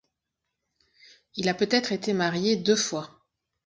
Il a peut-être été marié deux fois.